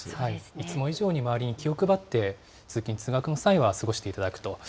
いつも以上に周りに気を配って、通勤・通学の際は過ごしていただくと。